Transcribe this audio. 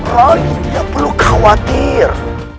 rayi tidak perlu khawatir